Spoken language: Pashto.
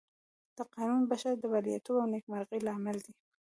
دا قانون د بشر د برياليتوب او نېکمرغۍ لامل دی.